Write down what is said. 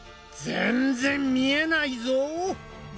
全然見えない。